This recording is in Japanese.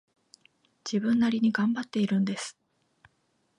自分なりに頑張っているんです